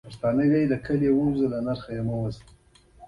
د نرخ غلط اټکل تاوان زیاتوي.